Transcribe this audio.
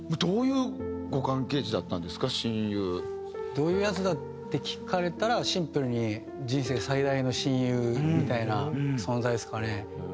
どういうヤツだ？って聞かれたらシンプルに人生最大の親友みたいな存在ですかね。